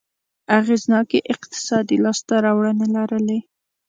اغېزناکې اقتصادي لاسته راوړنې لرلې.